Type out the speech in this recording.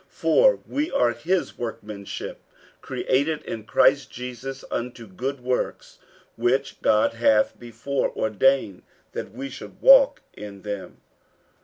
49:002:010 For we are his workmanship, created in Christ Jesus unto good works, which God hath before ordained that we should walk in them.